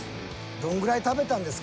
どんぐらい食べたんですか？